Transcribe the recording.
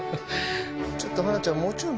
ちょっとハナちゃん。